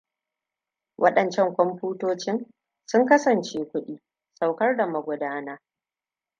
Wadancan kwamfutocin? Sun kasance kudi saukar da magudana.